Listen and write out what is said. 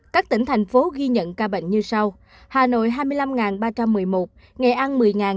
các tỉnh thành phố ghi nhận ca bệnh như sau hà nội hai mươi năm ba trăm một mươi một nghệ an một mươi năm trăm một mươi một